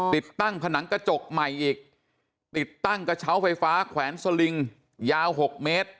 ติดตั้งผนังกระจกใหม่อีกติดตั้งกระเช้าไฟฟ้าแขวนสลิงยาว๖เมตร